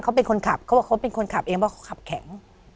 เขาเป็นคนขับเ้งเขาขับแข็ง